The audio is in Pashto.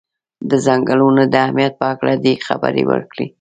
د څنګلونو د اهمیت په هکله دې خبرې وکړي.